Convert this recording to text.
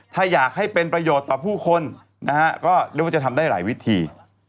ถ้าอยากให้เป็นประโยชน์ต่อผู้คนนะฮะก็เรียกว่าจะทำได้หลายวิธี